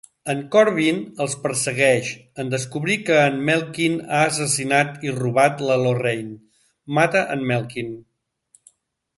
En Corwin els persegueix; en descobrir que en Melkin ha assassinat i robat la Lorrein, mata en Melkin.